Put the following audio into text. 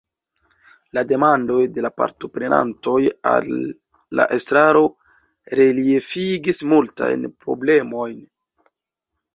La demandoj de la partoprenantoj al la estraro reliefigis multajn problemojn.